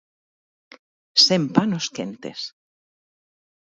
Sen panos quentes.